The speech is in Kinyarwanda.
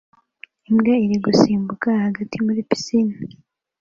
Imbwa iri gusimbuka hagati muri pisine